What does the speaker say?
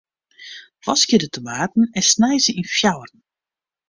Waskje de tomaten en snij se yn fjouweren.